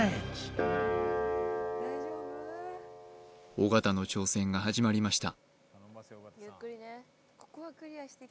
尾形の挑戦が始まりました